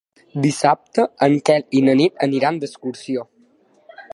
Dissabte en Quel i na Nit aniran d'excursió.